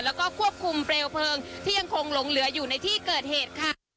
แล้วก็ควบคุมเปลวเพลิงที่ยังคงหลงเหลืออยู่ในที่เกิดเหตุค่ะ